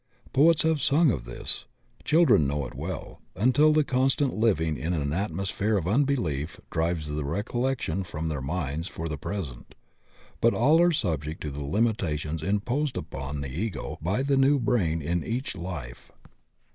Poets have sung of this; children know it well, imtU the constant living in an atmosphere of imbelief drives the recollection from their minds for the present, but all are subject to the limitations imposed upon the Ego by the new brain in each life.